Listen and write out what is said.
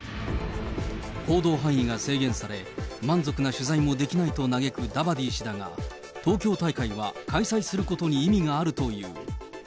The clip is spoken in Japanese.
行動範囲が制限され、満足な取材もできないと嘆くダバディ氏だが、東京大会は開催することに意味があるという。